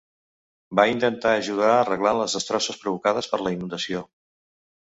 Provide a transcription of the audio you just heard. Va intentar ajudar arreglant les destrosses provocades per la inundació.